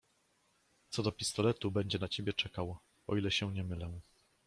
"Co do pistoletu, będzie na ciebie czekał, o ile się nie mylę."